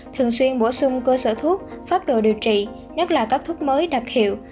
thường xuyên bổ sung cơ sở thuốc phát đồ điều trị nhất là các thuốc mới đặc hiệu